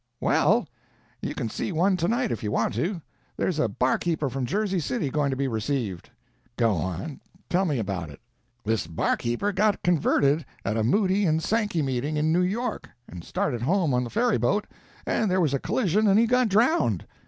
"Well, you can see one to night if you want to. There's a barkeeper from Jersey City going to be received." "Go on—tell me about it." "This barkeeper got converted at a Moody and Sankey meeting, in New York, and started home on the ferry boat, and there was a collision and he got drowned.